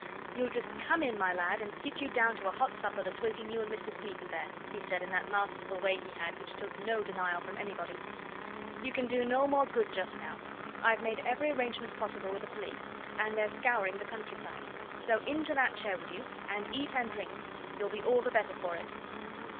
"You'll just come in, my lad, and sit you down to a hot supper that's waiting you and Mr. Smeaton there," he said, in that masterful way he had which took no denial from anybody. "You can do no more good just now I've made every arrangement possible with the police, and they're scouring the countryside. So into that chair with you, and eat and drink you'll be all the better for it.